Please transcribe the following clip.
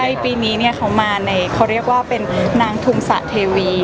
ในปีนี้เขามาในนางทุ่มสะเทวี